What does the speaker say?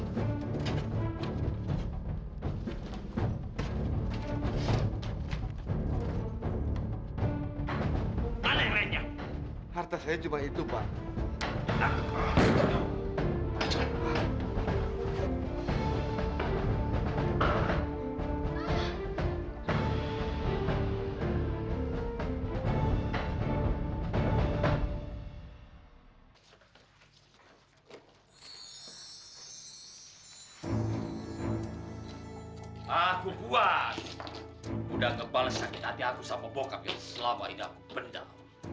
sudah ngebalas sakit hati aku sama bokap yang selama ini aku pendam